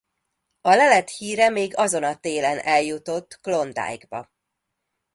A lelet híre még azon a télen eljutott Klondike-ba.